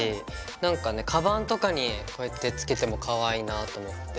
なんかねカバンとかにこうやって付けてもかわいいなぁと思って。